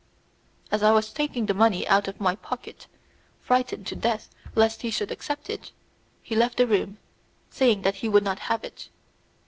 As I was taking the money out of my pocket, frightened to death lest he should accept it, he left the room, saying that he would not have it.